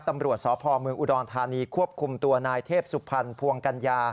ตำรวจสพเมืองอุดรธานีควบคุมตัวนายเทพสุพรรณภวงกัญญา